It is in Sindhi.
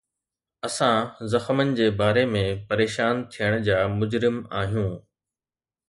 اسان زخمن جي باري ۾ پريشان ٿيڻ جا مجرم آهيون